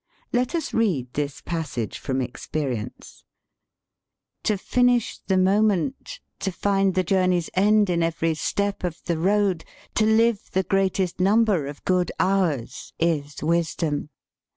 Let us read this passage from "Experience": " To finish the moment, to find the journey's end in every step of the road, to live the greatest num ber of good hours, is wisdom.